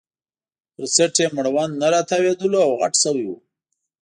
پر څټ یې مړوند نه راتاوېدلو او غټ شوی وو.